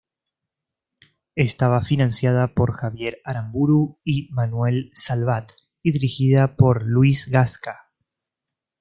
Estaba financiada por Javier Aramburu y Manuel Salvat, y dirigida por Luis Gasca.